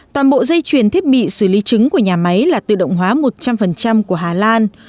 toàn bộ dây chuyển thiết bị xử lý trứng của nhà máy là tự động hóa một trăm linh của hà lan